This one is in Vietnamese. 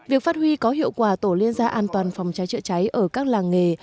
việc phát huy có hiệu quả tổ liên gia an toàn phòng cháy chữa cháy ở các làng nghề